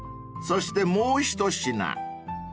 ［そしてもう一品］